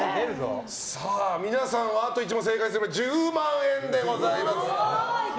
さあ皆さんはあと１問正解すれば１０万円でございます。